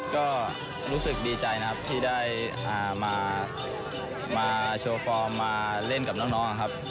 ก็รู้สึกดีใจนะครับที่ได้มาโชว์ฟอร์มมาเล่นกับน้องครับ